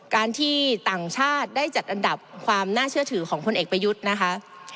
การที่ต่างชาติได้จัดอันดับความน่าเชื่อถือของพลเอกประยุทธ์นะคะ